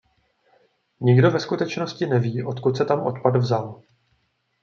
Nikdo ve skutečnosti neví, odkud se tam odpad vzal.